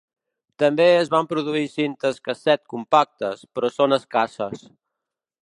També es van produir cintes casset compactes, però són escasses.